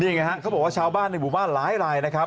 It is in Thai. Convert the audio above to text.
นี่ไงฮะเขาบอกว่าชาวบ้านในหมู่บ้านหลายนะครับ